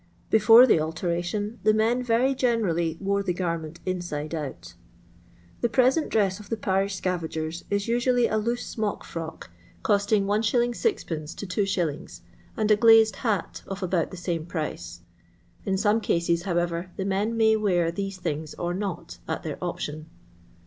Before the alteration the men very generally wore the garment inside out The present dress of the parish scavagers is usually a loose smock frock, costing Is. Od, to 2s, and a glazed hat of about the same price. In •ome cases, however, the men may wear these things or not, at their option.